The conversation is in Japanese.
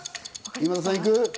今田さん、いく？